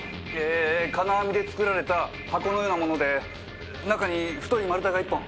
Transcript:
え金網で作られた箱のようなもので中に太い丸太が１本！